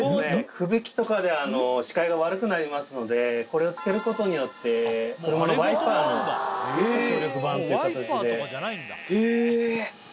吹雪とかで視界が悪くなりますので、これをつけることによって、車のワイパーの強力版というへー。